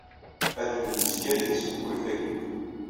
Adfel yezga di tsemhuyt-agi.